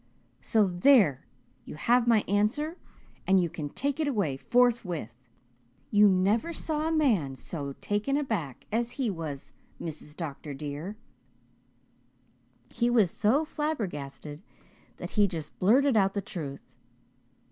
So there you have my answer and you can take it away forthwith.' You never saw a man so taken aback as he was, Mrs. Dr. dear. He was so flabbergasted that he just blurted out the truth.